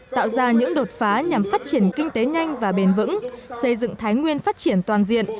tạo ra những đột phá nhằm phát triển kinh tế nhanh và bền vững xây dựng thái nguyên phát triển toàn diện